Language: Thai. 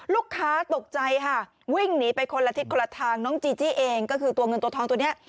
ลูกค้าตกใจค่ะวิ่งหนีไปคนละทิศคนละทางน้องจีจี้เองก็คือตัวเงินตัวทองตัวนี้